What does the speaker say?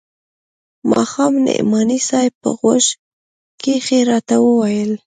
ماښام نعماني صاحب په غوږ کښې راته وويل.